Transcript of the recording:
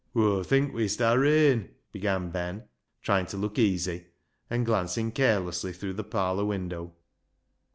" Aw think wee'st ha' rain," began Ben, tr}ing to look easy, and glancing carelessly through the parlour window.